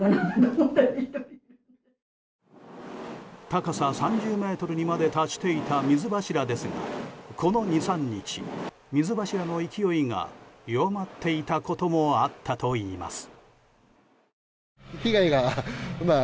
高さ３０ｍにまで達していた水柱ですがこの２３日、水柱の勢いが弱まっていたこともあったといいます。